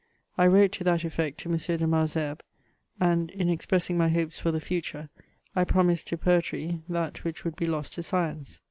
I wrote, to that effect, to M. de Malesherbes ; and, in expressing my hopes for the future, I promised to poetry that which would be lost to science.